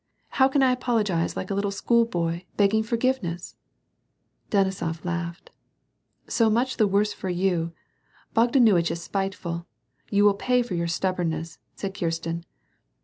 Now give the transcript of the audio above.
How can I apologize like a little school boy, begging forgiveness ?" Denisof laughed. " So much the worse for you. Bogdanuitch is spiteful. You will pay for your stubbornness," said Kirsten.